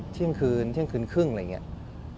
เที่ยงคืนเที่ยงคืนครึ่งอะไรอย่างนี้